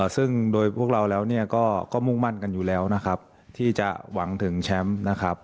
ซึ่งโดยพวกเราแล้วเนี่ยก็มุ่งมั่นกันอยู่แล้วนะครับที่จะหวังถึงแชมป์นะครับ